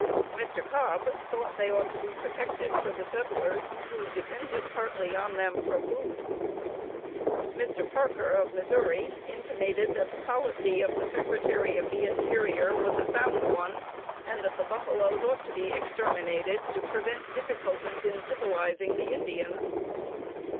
Mr. Cobb thought they ought to be protected for the settlers, who depended partly on them for food. Mr. Parker, of Missouri, intimated that the policy of the Secretary of the Interior was a sound one, and that the buffaloes ought to be exterminated, to prevent difficulties in civilizing the Indians.